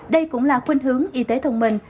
đây cũng là khuyên hướng y tế thông minh